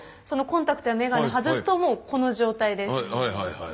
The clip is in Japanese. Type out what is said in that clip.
コンタクトや眼鏡外すともうこの状態です。